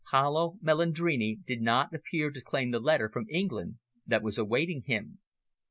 Paolo Melandrini did not appear to claim the letter from England that was awaiting him.